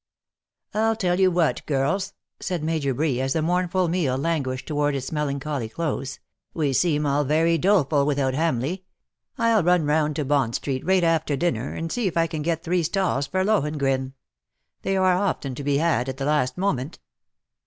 " ni tell you what, girls/' said Major Bree, as the mournful meal languished towards its melan choly close, '^'^we seem all very doleful without Hamleigh. Til run round to Bond Street directly after dinner, and see if I can get three stalls for ^ Lohengrin.' They are often to be had at the last moment."